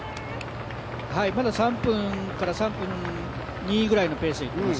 まだ３分から３分２ぐらいのペースで行っています。